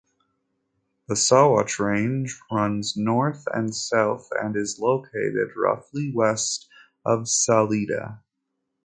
The Sawatch Range runs north and south and is located roughly west of Salida.